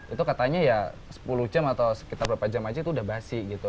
itu katanya ya sepuluh jam atau sekitar berapa jam saja itu sudah basi